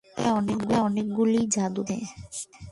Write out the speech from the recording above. শহরে অনেকগুলি জাদুঘর আছে।